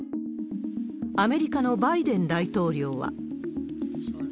アメリカのバイデン大統領は。